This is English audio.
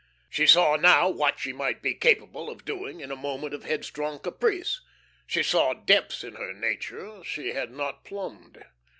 She saw now what she might be capable of doing in a moment of headstrong caprice, she saw depths in her nature she had not plumbed.